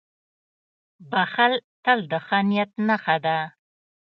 • بښل تل د ښه نیت نښه ده.